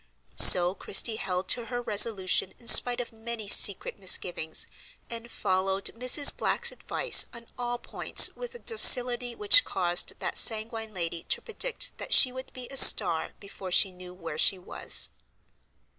So Christie held to her resolution in spite of many secret misgivings, and followed Mrs. Black's advice on all points with a docility which caused that sanguine lady to predict that she would be a star before she knew where she was.